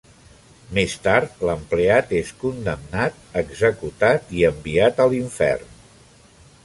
Més tard, l'empleat és condemnat, executat i enviat a l'infern.